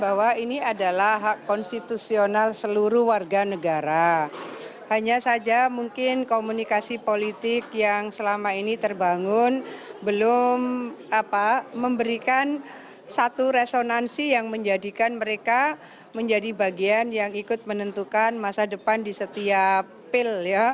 hanya saja mungkin komunikasi politik yang selama ini terbangun belum memberikan satu resonansi yang menjadikan mereka menjadi bagian yang ikut menentukan masa depan di setiap pil